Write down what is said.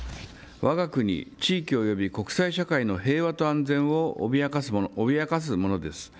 わが国、地域および国際社会の平和と安全を脅かすものです。